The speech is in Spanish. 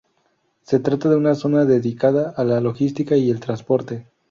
Se trata de una zona dedicada a la logística y el transporte.